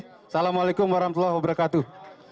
wassalamualaikum warahmatullahi wabarakatuh